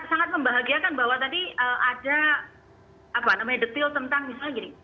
sangat membahagiakan bahwa tadi ada detail tentang misalnya gini